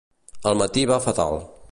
El matí va fatal.